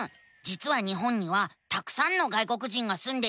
じつは日本にはたくさんの外国人がすんでいるのさ。